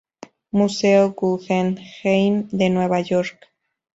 Museo Guggenheim de Nueva York.